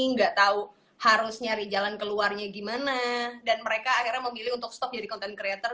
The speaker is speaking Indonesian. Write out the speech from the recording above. nggak tahu harus nyari jalan keluarnya gimana dan mereka akhirnya memilih untuk stop jadi content creator